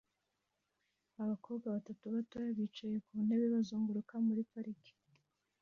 Abakobwa batatu bato bicaye ku ntebe bazunguruka muri parike